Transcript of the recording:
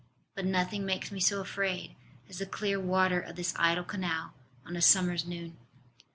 But nothing makes me so afraid as the clear water of this idle canal on a summer s noon.